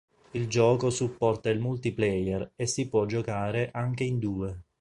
Il gioco supporta il multiplayer e si può giocare anche in due.